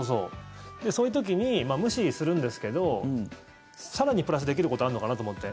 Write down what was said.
そういう時に無視するんですけど更にプラスできることあるのかなと思って。